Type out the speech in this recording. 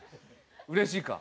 うれしいか？